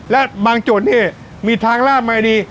และบางจุดเนี่ยมีทางลาบมาดี